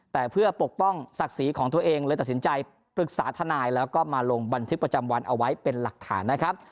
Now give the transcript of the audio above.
แต่เพื่อปกป้องศักดิ์ศรีของตัวเองเลยตัดสินใจปรึกษาทนายแล้วก็มาลงบันทึกประจำวันเอาไว้เป็นหลักฐานนะครับ